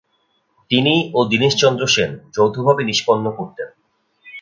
তিনি ও দীনেশচন্দ্র সেন যৌথভাবে নিষ্পন্ন করতেন।